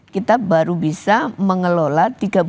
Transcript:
kita baru bisa mengelola